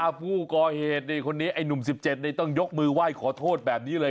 ผู้ก่อเหตุนี่คนนี้ไอ้หนุ่ม๑๗นี่ต้องยกมือไหว้ขอโทษแบบนี้เลย